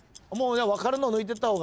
分かるの抜いてった方が。